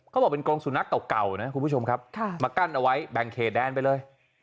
เขาบอกเป็นกรงสุนัขเก่านะคุณผู้ชมครับมากั้นเอาไว้แบ่งเขตแดนไปเลย